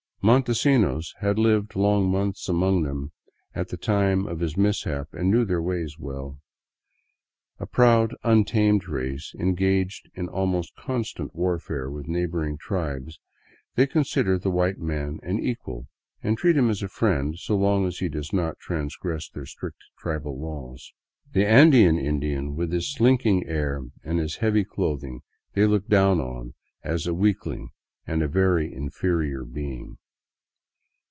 Montesinos had lived long months among them at the time of his mis hap, and knew their ways well. A proud, untamed race engaged in almost constant warfare with the neighboring tribes, they consider the white man an equal, and treat him as a friend so long as he does not transgress their strict tribal laws. The Andean Indian, with his slink ing air and his heavy clothing, they look down upon as a weakling and a very inferior being.